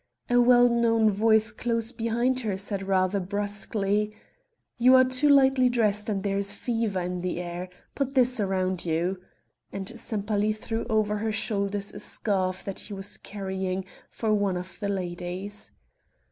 A well known voice close behind her said rather brusquely: "You are too lightly dressed and there is fever in the air. Put this round you," and Sempaly threw over her shoulders a scarf that he was carrying for one of the ladies.